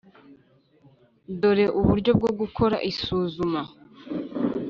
dore uburyo bwo gukora isuzuma\